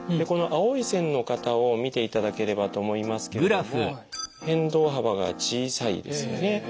この青い線の方を見ていただければと思いますけれども変動幅が小さいですよね。